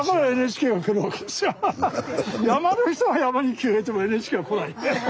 山の人が山に木を植えてもＮＨＫは来ない。